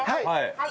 はい。